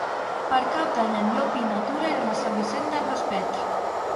Per Cap d'Any en Llop i na Tura iran a Sant Vicent del Raspeig.